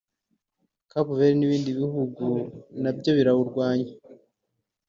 Cape Verde n’ibindi bihugu nabyo birawurwanya